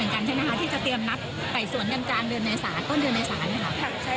อีกหนึ่งคือยังไม่ชัดเจนบวกหนึ่งของท่านค่ะอ๋อ